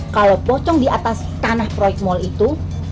kalau pocong di atas tanah proyek mall itu